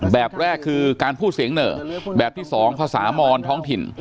แบบแรกคือการพูดเสียงเหนอแบบที่สองภาษามอนท้องถิ่น